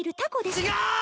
違う！